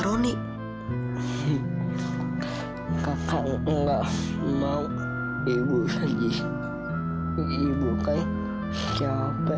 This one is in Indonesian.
roni kakak enggak mau ibu saja ibu kaya capek